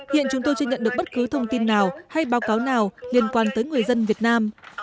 hiện chúng tôi chưa nhận được bất cứ thông tin nào hay báo cáo nào liên quan tới người dân việt nam